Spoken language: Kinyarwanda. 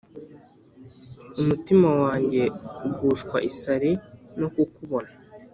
Umutima wanjye ugushwa isari nokukubona